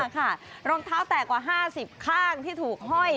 รองเท้าแตกกว่า๕๐ข้างที่ถูกห้อย